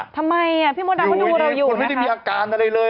ทำไมพี่พระดามก็อยู่และคุณไม่มีตอบ